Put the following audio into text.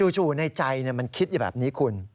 จู่ในใจมันคิดอยู่แบบนี้คุณ